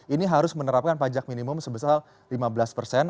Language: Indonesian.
ini harus menerapkan pajak minimum sebesar lima belas persen